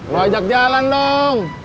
lu ajak jalan dong